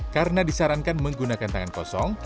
karena disarankan menggunakan tangan kosong